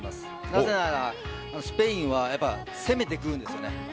なぜならスペインは攻めてくるんです。